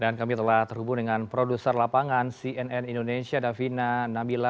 dan kami telah terhubung dengan produser lapangan cnn indonesia davina nabila